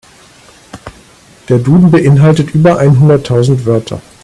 Der Duden beeinhaltet über einhunderttausend Wörter.